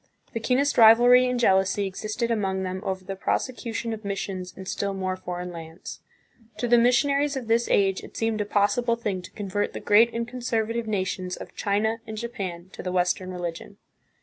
The keenest rivalry and jealousy existed among them over the prosecution of missions in still more foreign lands. To the missionaries of this age it seemed a possible thing to convert the great and conservative nations of China and Japan to the Western religion.